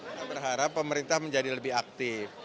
kita berharap pemerintah menjadi lebih aktif